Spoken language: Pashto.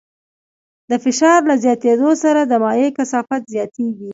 د فشار له زیاتېدو سره د مایع کثافت زیاتېږي.